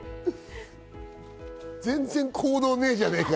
全然行動ねえじゃねえか！